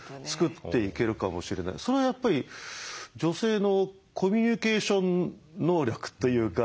それはやっぱり女性のコミュニケーション能力というか。